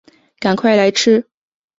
赶快来吃